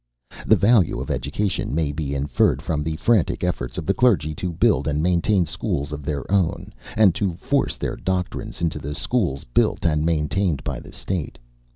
The value of education may be inferred from the frantic efforts of the clergy to build and maintain schools of their own, and to force their doctrines into the schools built and maintained by the State.